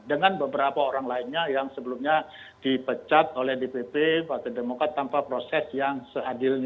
dengan beberapa orang lainnya yang sebelumnya dipecat oleh dpp partai demokrat tanpa proses yang seadilnya